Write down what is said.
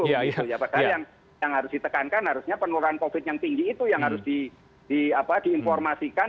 padahal yang harus ditekankan harusnya penurunan covid yang tinggi itu yang harus diinformasikan